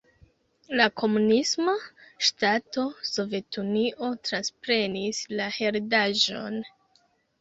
La komunisma ŝtato Sovetunio transprenis la heredaĵon.